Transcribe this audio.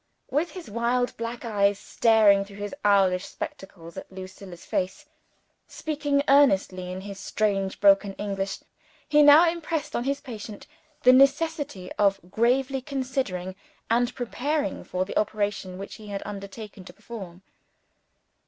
With his wild black eyes staring through his owlish spectacles at Lucilla's face, speaking earnestly in his strange broken English, he now impressed on his patient the necessity of gravely considering, and preparing for, the operation which he had undertaken to perform.